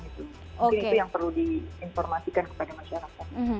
mungkin itu yang perlu diinformasikan kepada masyarakat